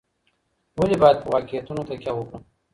ولي بايد په واقعيتونو تکيه وکړو؟